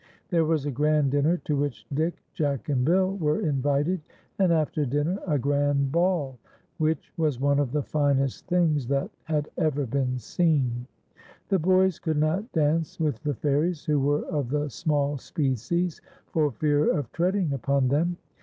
There was a grand dinner to which Dick, Jack, and Bill were invited, and after dinner a grand ball, which was one of the finest things that had ever been seen. The boys could not dance with the fairies, who were of the small species, for fear of treading upon them.